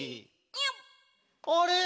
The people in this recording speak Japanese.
「あれ！